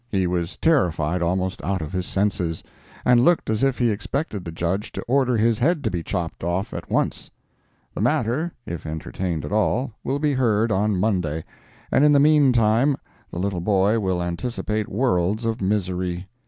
He was terrified almost out of his senses, and looked as if he expected the Judge to order his head to be chopped off at once. The matter, if entertained at all, will be heard on Monday, and in the mean time the little boy will anticipate worlds of misery.